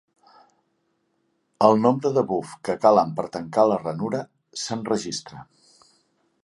El nombre de bufs que calen per tancar la ranura s"enregistra.